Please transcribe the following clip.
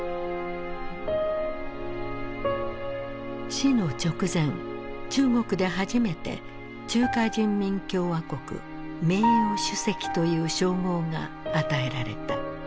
死の直前中国で初めて「中華人民共和国名誉主席」という称号が与えられた。